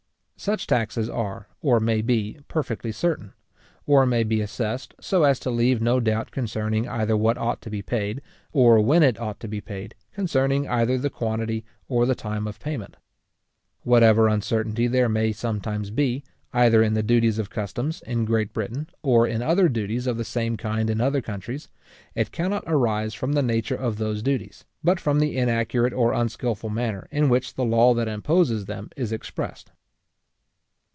Such taxes are, or may be, perfectly certain; or may be assessed, so as to leave no doubt concerning either what ought to be paid, or when it ought to be paid; concerning either the quantity or the time of payment. What ever uncertainty there may sometimes be, either in the duties of customs in Great Britain, or in other duties of the same kind in other countries, it cannot arise from the nature of those duties, but from the inaccurate or unskilful manner in which the law that imposes them is expressed.